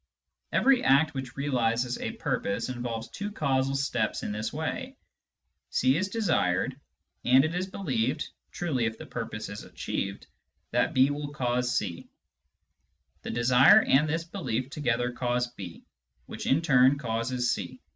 Every act which realises a purpose involves two causal steps in this way : C is desired, and it is believed (truly if the purpose is achieved) that B will cause C ; the desire and the belief together cause B, which in turn causes C.